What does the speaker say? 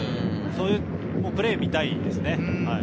そういうプレーを見たいですね。